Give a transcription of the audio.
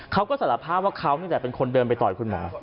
เขาก็สารภาพว่าเขานี่แหละเป็นคนเดินไปต่อยคุณหมอ